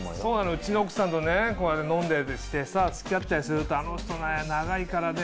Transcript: うちの奥さんとね飲んだりして付き合ったりするとあの人ね長いからね